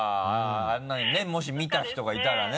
あんなのねもし見た人がいたらね。